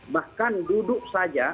bahkan duduk saja